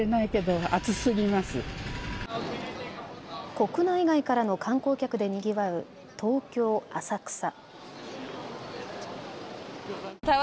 国内外からの観光客でにぎわう東京浅草。